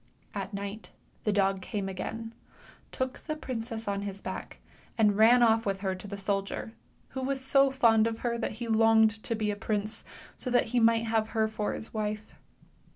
A: night the dog came again, took the princess on his back, and ran off with her to the soldier, who was so fond of her that he longed to be a prince, so that he might have her for his wife.